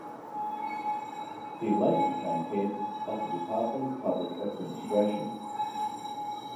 He later became Head of the Department of Public Administration.